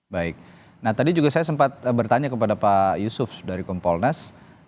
baik nah tadi juga saya sempat bertanya kepada pak yusuf dari kompolnas